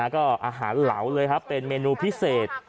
ก็อาหารเหลาเลยครับเป็นเมนูพิเศษ